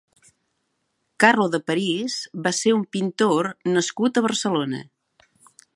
Carlo de Paris va ser un pintor nascut a Barcelona.